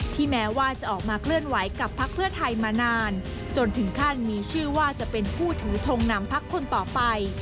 แม้ว่าจะออกมาเคลื่อนไหวกับพักเพื่อไทยมานานจนถึงขั้นมีชื่อว่าจะเป็นผู้ถือทงนำพักคนต่อไป